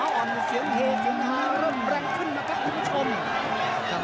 ตรงนี้ขาวอ่อนเสียงเทเสียงทาเริ่มแรงขึ้นนะครับคุณผู้ชม